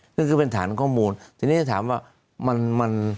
นี่ก็เป็นฐานข้อมูลทีนี้ถามว่า